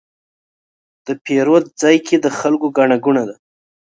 د پیرود ځای کې د خلکو ګڼه ګوڼه وه.